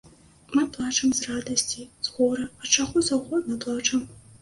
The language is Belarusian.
Мы плачам з радасці, з гора, ад чаго заўгодна плачам.